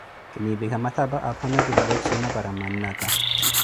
kinnipikha mathapa aphano kivuwe chiima para mannakha.